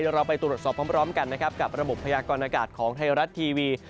เดี๋ยวเราไปตรวจสอบพร้อมกันกับระบบพยากรณากาศของไทยรัฐทีวี